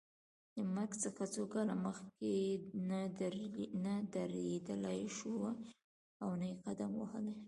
له مرګ څخه څو کاله مخکې نه درېدلای شوای او نه یې قدم وهلای.